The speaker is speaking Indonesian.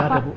gak ada bu